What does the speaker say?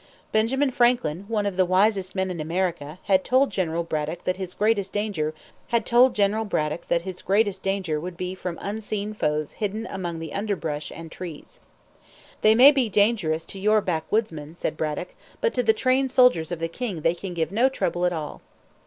Benjamin Franklin, one of the wisest men in America, had told General Braddock that his greatest danger would be from unseen foes hidden among the underbrush and trees. "They may be dangerous to your backwoodsmen," said Braddock; "but to the trained soldiers of the king they can give no trouble at all."